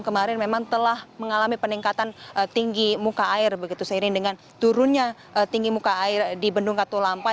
kemarin memang telah mengalami peningkatan tinggi muka air begitu seiring dengan turunnya tinggi muka air di bendung katulampa